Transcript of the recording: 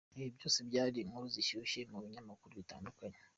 Ibi byose, byari inkuru zishyushye mu binyamakuru bitandukanye.